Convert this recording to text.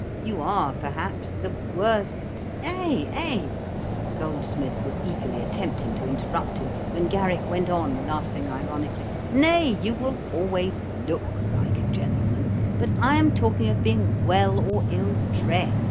You are, perhaps, the worst eh, eh!' Goldsmith was eagerly attempting to interrupt him, when Garrick went on, laughing ironically, 'Nay, you will always look like a gentleman; but I am talking of being well or ill drest.'